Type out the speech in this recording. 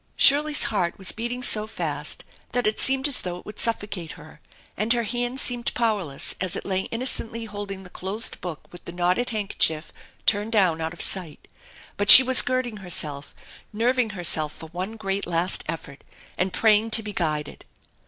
Shirley's heart was beating so fast that it seemed as though it would suffocate her, and her hand seemed powerless as it lay innocently holding the closed book with the knotted handkerchief turned down out of sight; but she was girding herself, nerving herself for one great last effort, and praying to be guided.